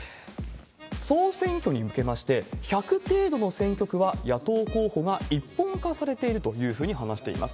総選挙に向けまして、１００程度の選挙区は野党候補が一本化されているというふうに話しています。